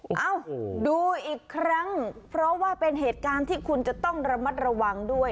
เอ้าดูอีกครั้งเพราะว่าเป็นเหตุการณ์ที่คุณจะต้องระมัดระวังด้วย